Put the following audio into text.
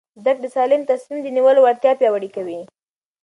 زده کړه د سالم تصمیم نیولو وړتیا پیاوړې کوي.